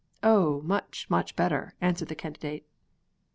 "Oh, much, much better," answered the Candidate.